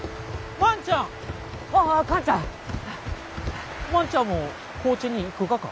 万ちゃんも高知に行くがか？